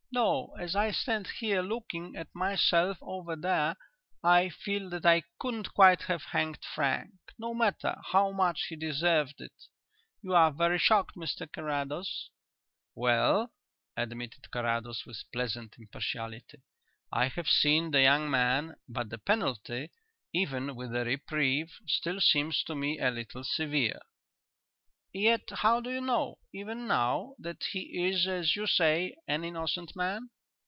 No, as I stand here looking at myself over there, I feel that I couldn't quite have hanged Frank, no matter how much he deserved it.... You are very shocked, Mr Carrados?" "Well," admitted Carrados, with pleasant impartiality, "I have seen the young man, but the penalty, even with a reprieve, still seems to me a little severe." "Yet how do you know, even now, that he is, as you say, an innocent man?"